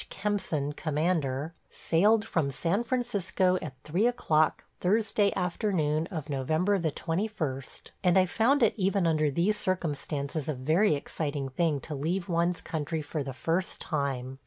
Kempson commander – sailed from San Francisco at three o'clock Thursday afternoon of November the 21st, and I found it even under these circumstances a very exciting thing to leave one's country for the first time.